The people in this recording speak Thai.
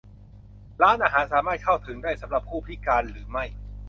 ร้านอาหารสามารถเข้าถึงได้สำหรับผู้พิการหรือไม่ ?